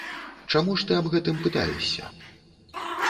Чаму ж ты аб гэтым пытаешся?